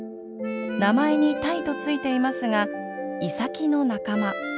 名前に「タイ」と付いていますがイサキの仲間。